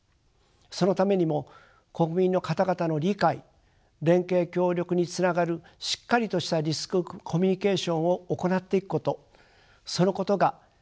そのためにも国民の方々の理解連携協力につながるしっかりとしたリスクコミュニケーションを行っていくことそのことが鍵になっていくものと思われます。